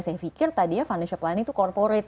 saya pikir tadinya financial planning itu corporate